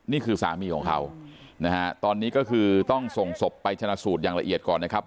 นี่คือสามีของเขานะฮะตอนนี้ก็คือต้องส่งศพไปชนะสูตรอย่างละเอียดก่อนนะครับ